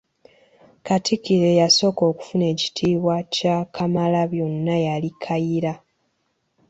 Katikkiro eyasooka okufuna ekitiibwa kya Kamalabyonna yali Kayiira.